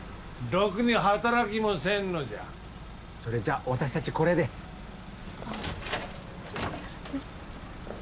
ろくに働きもせんのじゃそれじゃ私達これでああえっ？